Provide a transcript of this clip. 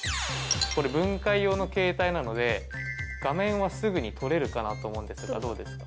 これ分解用のケータイなので画面はすぐに取れるかなと思うんですがどうですか？